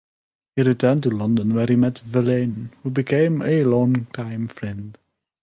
He returned to London where he met Verlaine, who became a long-time friend.